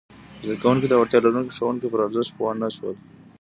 زده کوونکي د وړتیا لرونکي ښوونکي پر ارزښت پوه نه شول!